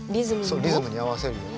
そうリズムに合わせるように。